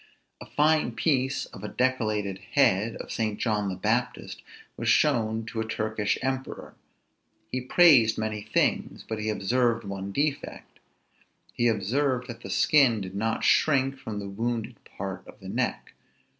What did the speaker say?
A fine piece of a decollated head of St. John the Baptist was shown to a Turkish emperor: he praised many things, but he observed one defect: he observed that the skin did not shrink from the wounded part of the neck.